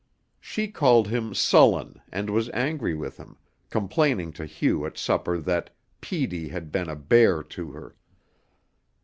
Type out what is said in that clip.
She called him "sullen" and was angry with him, complaining to Hugh at supper that "Petey" had been "a bear" to her.